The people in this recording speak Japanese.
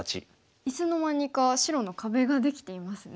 いつの間にか白の壁ができていますね。